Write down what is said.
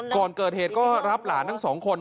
ก่อนเกิดเหตุก็รับหลานทั้งสองคน